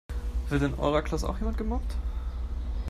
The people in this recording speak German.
Wird in eurer Klasse auch jemand gemobbt?